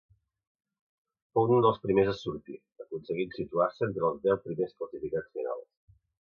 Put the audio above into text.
Fou un dels primers a sortir, aconseguint situar-se entre els deu primers classificats finals.